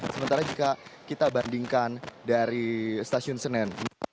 sementara jika kita bandingkan dari stasiun senen